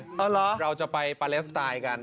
เหรอเราจะไปปาเลสไตล์กัน